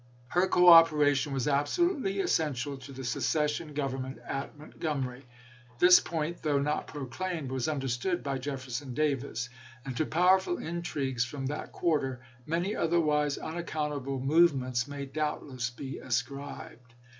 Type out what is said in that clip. Her cooperation was absolutely essential to the secession government at Montgomery. This point, though not proclaimed, was understood by Jefferson Davis, and to powerful intrigues from that quarter many otherwise unaccountable move ments may doubtless be ascribed.